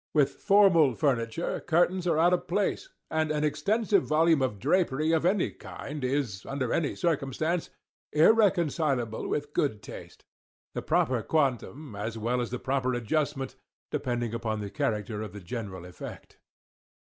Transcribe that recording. With formal furniture, curtains are out of place; and an extensive volume of drapery of any kind is, under any circumstance, irreconcilable with good taste—the proper quantum, as well as the proper adjustment, depending upon the character of the general effect.